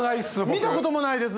見たこともないです。